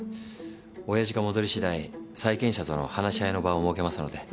おやじが戻りしだい債権者との話し合いの場を設けますので。